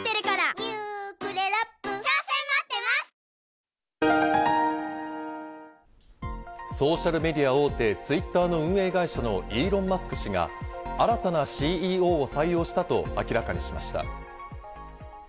トーンアップ出たソーシャルメディア大手、ツイッターの運営会社のイーロン・マスク氏が新たなＣＥＯを採用したと明らかにしました。